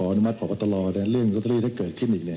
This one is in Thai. ผมจะขออนุมัติพรบอัตโตรและเรื่องร็อตเตอรี่ถ้าเกิดขึ้นอีกเนี่ย